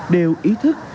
đều ý thức